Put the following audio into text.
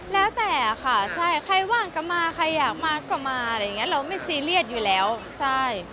แล้วแต่ค่ะใช่ใครว่างก็มาใครอยากมาก็มาอะไรอย่างเงี้เราไม่ซีเรียสอยู่แล้วใช่